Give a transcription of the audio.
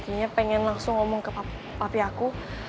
kayaknya pengen langsung ngomong ke pati aku